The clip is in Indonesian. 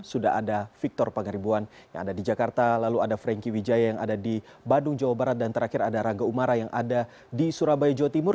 sudah ada victor pangaribuan yang ada di jakarta lalu ada franky wijaya yang ada di bandung jawa barat dan terakhir ada raga umara yang ada di surabaya jawa timur